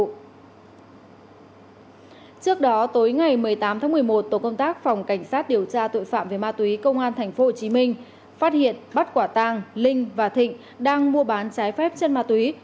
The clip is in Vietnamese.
trước đó tối ngày một mươi tám tháng một mươi một tổ công tác phòng cảnh sát điều tra tội phạm về ma túy công an tp hcm phát hiện bắt quả tàng linh và thịnh đang mua bán trái phép chân ma túy